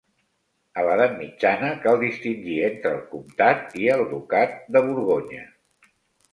A l'edat mitjana, cal distingir entre el comtat i el ducat de Borgonya.